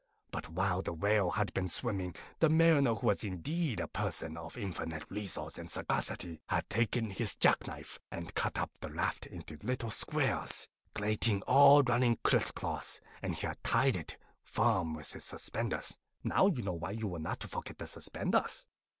But while the Whale had been swimming, the Mariner, who was indeed a person of infinite resource and sagacity, had taken his jack knife and cut up the raft into a little square grating all running criss cross, and he had tied it firm with his suspenders (now, you know why you were not to forget the suspenders!)